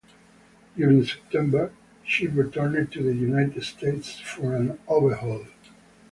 During September, she returned to the United States for an overhaul.